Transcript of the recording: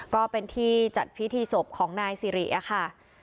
ก็เป็นที่จัดพิธีศพของนายสิริอะค่ะ